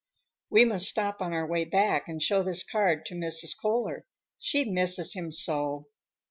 "We must stop on our way back and show this card to Mrs. Kohler. She misses him so."